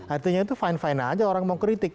artinya itu fine fine aja orang mau kritik